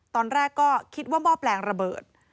ตอนแรกก็คิดว่าหม้อแปลงระเบิด